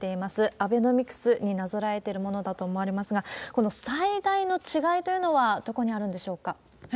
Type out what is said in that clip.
アベノミクスになぞらえてるものだと思われますが、この最大の違いというのはどこにあるんでしょうか。